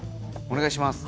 おねがいします！